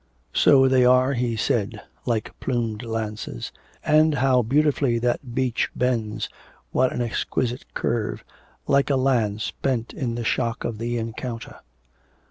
'So they are,' he said, 'like plumed lances. And how beautifully that beech bends, what an exquisite curve, like a lance bent in the shock of the encounter.'